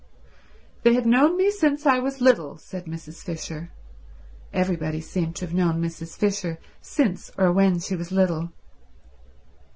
"They have know me since I was little," said Mrs. Fisher— everybody seemed to have known Mrs. Fisher since or when she was little.